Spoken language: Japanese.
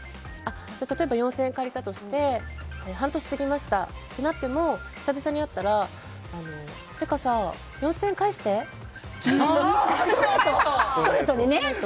例えば４０００円借りたとして半年過ぎましたってなっても久々に会ったらストレートにね。